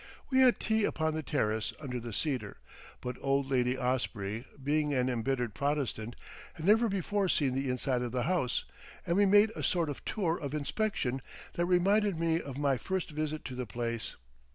We had tea upon the terrace under the cedar, but old Lady Osprey, being an embittered Protestant, had never before seen the inside of the house, and we made a sort of tour of inspection that reminded me of my first visit to the place.